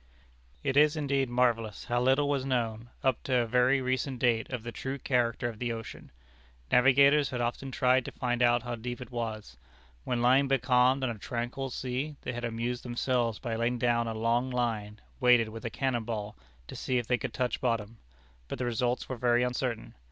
It is indeed marvellous how little was known, up to a very recent date, of the true character of the ocean. Navigators had often tried to find out how deep it was. When lying becalmed on a tranquil sea, they had amused themselves by letting down a long line, weighted with a cannon ball, to see if they could touch bottom. But the results were very uncertain.